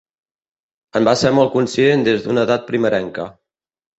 En va ser molt conscient des d'una edat primerenca.